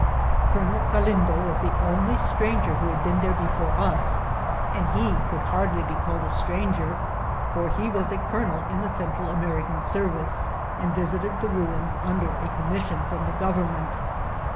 Colonel Gtdindo vras the only stranger who had been there before us, and he could hardly be called a stranger, for he was a colonel in the Central American service, and visited the ruins under a commission from the government.